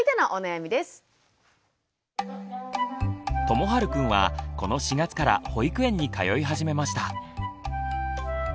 ともはるくんはこの４月から保育園に通い始めました。